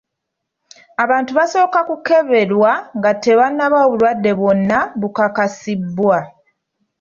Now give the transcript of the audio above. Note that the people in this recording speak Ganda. Abantu basooka kukeberwa nga tewannabaawo bulwadde bwonna bukakasibwa.